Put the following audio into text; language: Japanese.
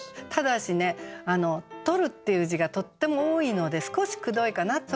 ただしね「取る」っていう字がとっても多いので少しくどいかな。